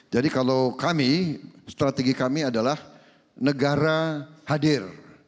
jadi kalau kami strategi kami adalah negara hadir